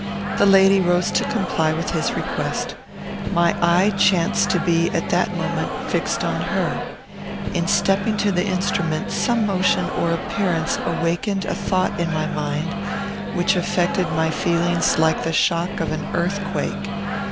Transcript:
The lady rose to comply with his request. My eye chanced to be, at that moment, fixed on her. In stepping to the instrument, some motion or appearance awakened a thought in my mind which affected my feelings like the shock of an earthquake.